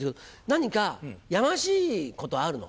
何かやましいことあるの？